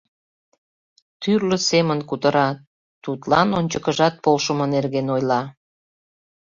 Тӱрлӧ семын кутыра, тудлан ончыкыжат полшымо нерген ойла.